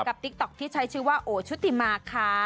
ติ๊กต๊อกที่ใช้ชื่อว่าโอชุติมาค่ะ